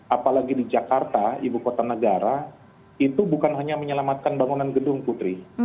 apalagi di jakarta ibu kota negara itu bukan hanya menyelamatkan bangunan gedung putri